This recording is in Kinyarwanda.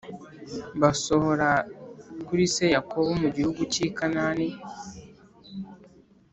Basohora kuri se Yakobo mu gihugu cy i Kanani